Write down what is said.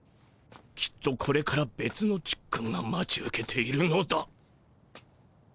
きっとこれからべつのちっくんが待ち受けているのだ。